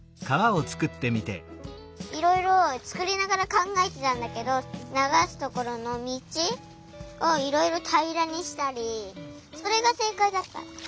いろいろつくりながらかんがえてたんだけどながすところのみちをいろいろたいらにしたりそれがせいかいだった。